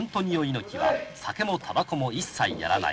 猪木は酒もたばこも一切やらない。